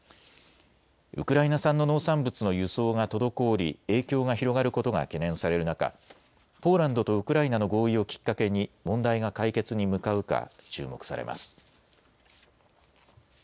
ウクライナ産の農産物の輸送が滞り影響が広がることが懸念される中、ポーランドとウクライナの合意をきっかけに問題が解決に向かうか注目されます。